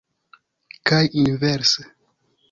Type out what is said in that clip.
Kaj inverse.